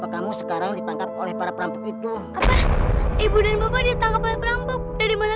kamu sekarang ditangkap oleh para perampok itu apa ibu dan bapak ditangkap oleh perampok dari mana